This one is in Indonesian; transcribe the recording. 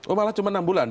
oh malah cuma enam bulan